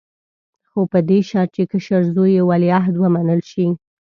خو په دې شرط چې کشر زوی یې ولیعهد ومنل شي.